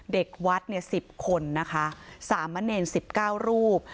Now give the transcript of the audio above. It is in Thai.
เด็กวัด๑๐คนนะคะ๓มะเน่น๑๙รูป